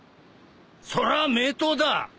それは名刀だ！